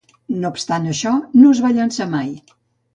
No obstant això, no es va llançar mai.